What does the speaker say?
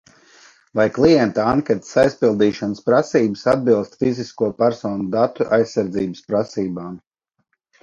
Vai klienta anketas aizpildīšanas prasības atbilst fizisko personu datu aizsardzības prasībām?